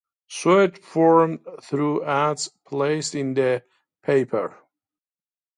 Suede formed through ads placed in the paper.